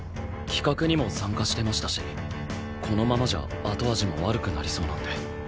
企画にも参加してましたしこのままじゃ後味も悪くなりそうなんで。